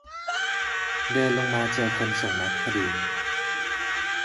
เดินลงมาเจอคนส่งแม็คพอดี